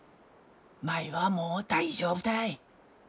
舞はもう大丈夫たい。